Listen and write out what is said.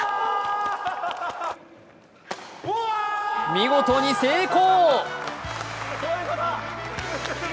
見事に成功！